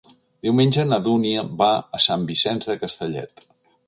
Diumenge na Dúnia va a Sant Vicenç de Castellet.